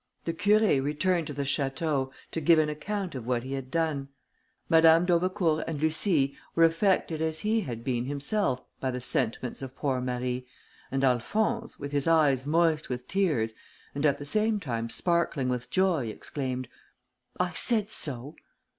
The Curé returned to the château to give an account of what he had done. Madame d'Aubecourt and Lucie were affected as he had been himself by the sentiments of poor Marie, and Alphonse, with his eyes moist with tears, and at the same time sparkling with joy, exclaimed, "I said so."